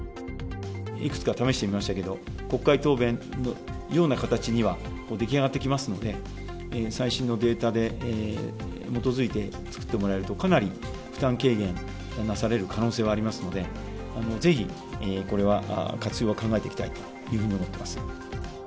いくつか試してみましたけど、国会答弁のような形には出来上がってきますので、最新のデータに基づいて作ってもらえると、かなり負担軽減がなされる可能性はありますので、ぜひ、これは活用は考えていきたいというふうに思っています。